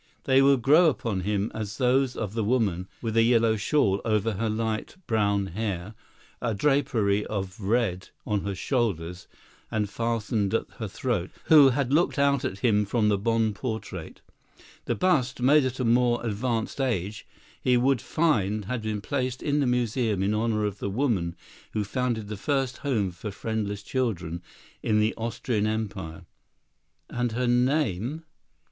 They would grow upon him as those of the woman with the yellow shawl over her light brown hair, a drapery of red on her shoulders and fastened at her throat, who had looked out at him from the Bonn portrait. The bust, made at a more advanced age, he would find had been placed in the museum in honor of the woman who founded the first home for friendless children in the Austrian Empire; and her name?